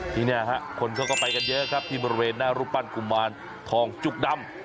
ที่นี่ฮะคนเขาก็ไปกันเยอะครับที่บริเวณหน้ารูปปั้นกุมารทองจุกดำ